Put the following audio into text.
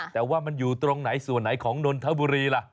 แต่ว่ามันอยู่ตรงไหนส่วนไหนของนนทบุรีล่ะ